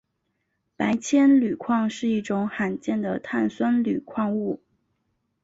白铅铝矿是一种罕见的碳酸铝矿物。